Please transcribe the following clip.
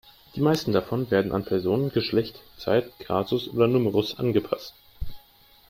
Die meisten davon werden an Person, Geschlecht, Zeit, Kasus oder Numerus angepasst.